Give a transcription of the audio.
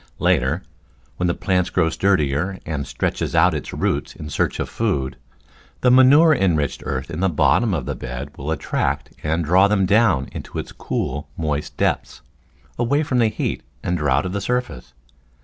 Later, when the plant grows sturdier and stretches out its roots in search of food, the manure enriched earth in the bottom of the bed will attract and draw them down into its cool, moist depths, away from the heat and drought of the surface.